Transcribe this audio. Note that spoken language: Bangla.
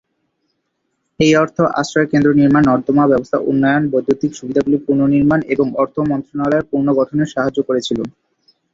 এই অর্থ আশ্রয় কেন্দ্র নির্মান, নর্দমা ব্যবস্থার উন্নয়ন, বৈদ্যুতিক সুবিধাগুলি পুনর্নির্মাণ এবং অর্থ মন্ত্রণালয়ের পুনর্গঠনে সাহায্য করেছিল।।